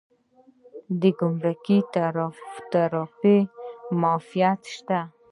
د ګمرکي تعرفو معافیت شته؟